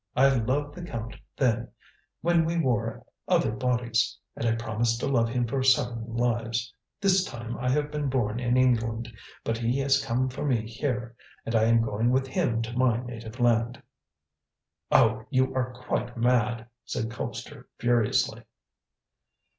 I loved the Count then, when we wore other bodies, and promised to love him for seven lives. This time I have been born in England, but he has come for me here, and I am going with him to my native land." "Oh, you are quite mad!" said Colpster furiously.